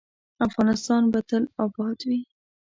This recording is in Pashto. افغانستان به تل اباد وي